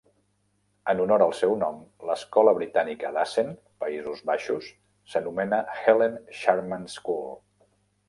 En honor al seu nom, l'escola britànica d'Assen, Països Baixos, s'anomena Helen Sharman School.